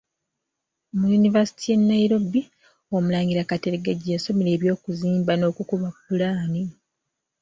Mu yunivasite y’e Nairobi Omulangira Kateregga gye yasomera eby'okuzimba n’okukuba ppulaani.